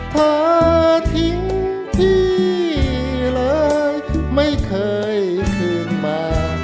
เธอทิ้งที่เลยไม่เคยคืนมา